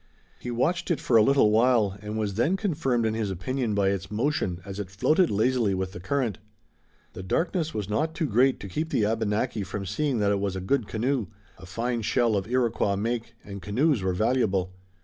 He watched it for a little while, and was then confirmed in his opinion by its motion as it floated lazily with the current. The darkness was not too great to keep the Abenaki from seeing that it was a good canoe, a fine shell of Iroquois make, and canoes were valuable.